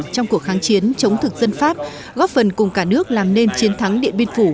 trong cuộc kháng chiến chống thực dân pháp góp phần cùng cả nước làm nên chiến thắng điện biên phủ